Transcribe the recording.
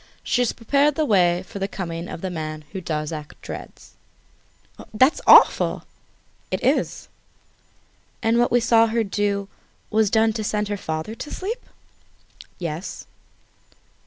She has prepared the way for the coming of the man whom Darzac dreads." "That's awful!" "It is!" "And what we saw her do was done to send her father to sleep?" "Yes."